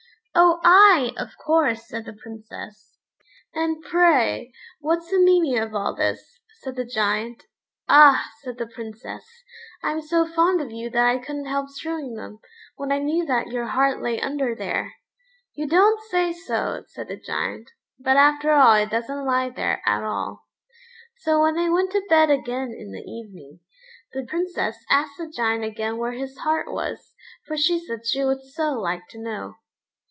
"Oh, I, of course," said the Princess. "And, pray, what's the meaning of all this?" said the Giant. "Ah!" said the Princess, "I'm so fond of you that I couldn't help strewing them, when I knew that your heart lay under there." "You don't say so," said the Giant; "but after all it doesn't lie there at all." So when they went to bed again in the evening, the Princess asked the Giant again where his heart was, for she said she would so like to know.